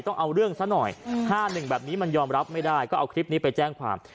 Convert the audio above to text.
ต้องเอาเรื่องซะหน่อย๕๑แบบนี้มันยอมรับไม่ได้ก็เอาคลิปนี้ไปแจ้งความ